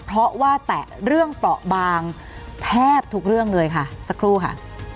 เพราะว่าแตะเรื่องเปราะบางแทบทุกเรื่องเลยค่ะสักครู่ค่ะ